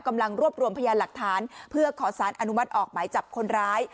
กำลังรวบรวมพยานหลักฐานเพื่อขอสารอนุมัติออกหมายจับคนร้าย